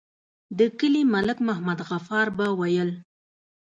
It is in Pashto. د کلي ملک محمد غفار به ويل.